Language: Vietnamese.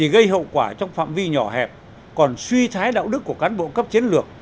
gây hậu quả trong phạm vi nhỏ hẹp còn suy thái đạo đức của cán bộ cấp chiến lược